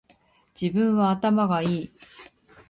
自分は頭がいい